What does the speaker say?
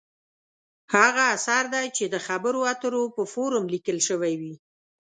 هغه اثر دی چې د خبرو اترو په فورم لیکل شوې وي.